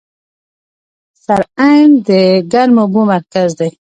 سرعین د ګرمو اوبو مرکز دی.